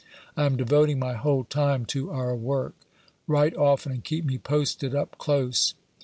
I am devoting my whole time to our work. Writo often, and keep me posted up close.